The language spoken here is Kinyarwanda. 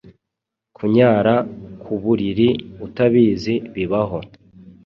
kunyara kuburiri utabizi bibaho